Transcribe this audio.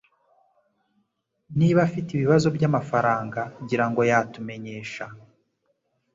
Niba afite ibibazo byamafaranga, ngira ngo yatumenyesha.